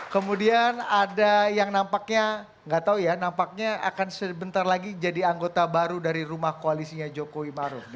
kemudian ada yang nampaknya nggak tahu ya nampaknya akan sebentar lagi jadi anggota baru dari rumah koalisinya jokowi maruf